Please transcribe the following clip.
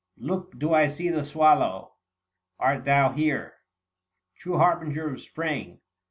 Look, do I see the Swallow ! art thou here, True harbinger of Spring